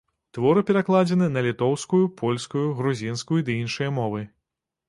Творы перакладзены на літоўскую, польскую, грузінскую ды іншыя мовы.